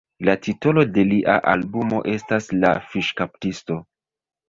La titolo de lia albumo estas "La Fiŝkaptisto".